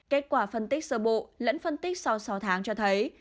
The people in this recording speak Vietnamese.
kết quả phân tích sơ bộ lẫn phân tích sau sáu tháng cho thấy